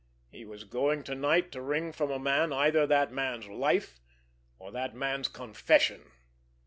He was going to night to wring from a man either that man's life, or that man's confession.